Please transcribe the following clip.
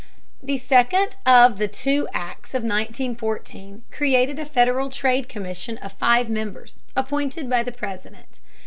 The second of the two Acts of 1914 created a Federal Trade Commission of five members, appointed by the President.